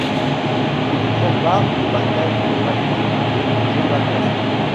Il prend part aux batailles de Valmy et Jemmapes.